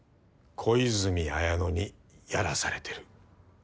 小泉文乃にやらされてる。